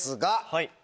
はい。